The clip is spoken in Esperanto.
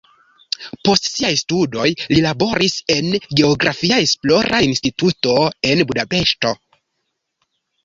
Post siaj studoj li laboris en geografia esplora instituto en Budapeŝto.